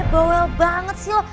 bowel banget sih lo